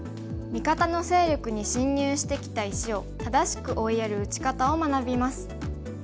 味方の勢力に侵入してきた石を正しく追いやる打ち方を学びます。